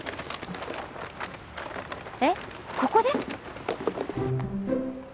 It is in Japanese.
えっここで？